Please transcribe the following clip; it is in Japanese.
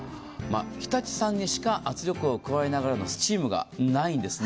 日立さんにしか、圧力を加えながら、スチームがないんですね。